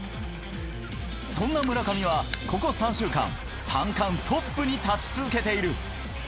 そんな村上はここ３週間、三冠トップに立ち続けている。